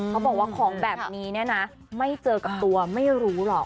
เขาบอกว่าของแบบนี้เนี่ยนะไม่เจอกับตัวไม่รู้หรอก